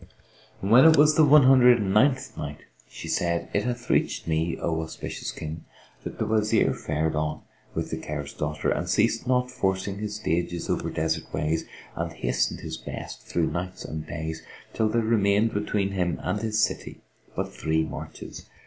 When it was the One Hundred and Ninth Night, She said, It hath reached me, O auspicious King, that the Wazir fared on with the King's daughter and ceased not forcing his stages over desert ways and hastened his best through nights and days, till there remained between him and his city but three marches.